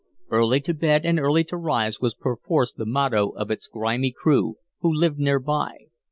Early to bed and early to rise was perforce the motto of its grimy crew, who lived near by.